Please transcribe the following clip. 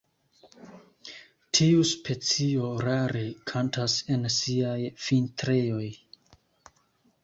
Tiu specio rare kantas en siaj vintrejoj.